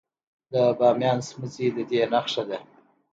د بامیان سمڅې د دې نښه ده